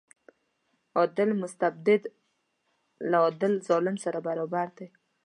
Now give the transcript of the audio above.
عادل مستبد له عادل ظالم سره برابر دی.